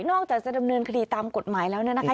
นอกจากจะดำเนินคดีตามกฎหมายแล้วนะคะ